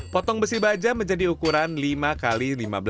potong besi baja menjadi ukuran lima x lima belas